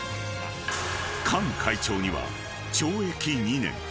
［カン会長には懲役２年。